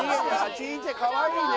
ちいちゃいかわいいね。